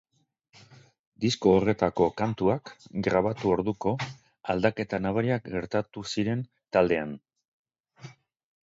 Disko horretarako kantuak grabatu orduko, aldaketa nabariak gertatu ziren taldean.